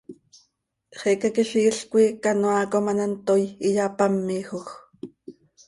Xicaquiziil coi canoaa com an hant toii, iyapámijoj.